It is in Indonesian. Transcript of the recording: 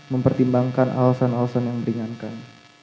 mempertimbangkan alasan alasan yang meringankan